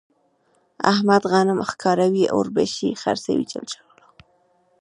احمد غنم ښکاروي ـ اوربشې خرڅوي.